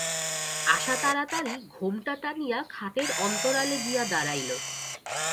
আশা তাড়াতাড়ি ঘোমটা টানিয়া খাটের অন্তরালে গিয়া দাঁড়াইল।